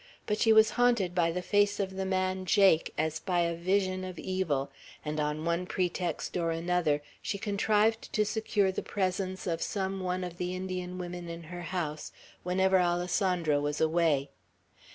But she was haunted by the face of the man Jake, as by a vision of evil, and on one pretext and another she contrived to secure the presence of some one of the Indian women in her house whenever Alessandro was away.